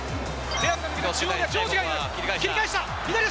切り返した。